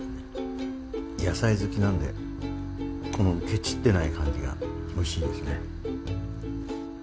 野菜好きなんでこのケチってない感じがおいしいですね。